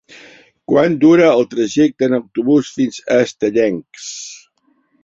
Quant dura el trajecte en autobús fins a Estellencs?